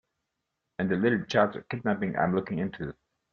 And a little charge of kidnapping I'm looking into.